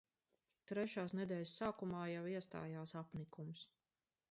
Trešās nedēļas sākumā jau iestājās apnikums.